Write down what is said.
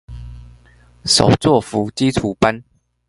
手作服基礎班